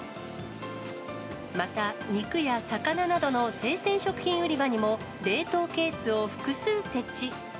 また、肉や魚などの生鮮食品売り場にも、冷凍ケースを複数設置。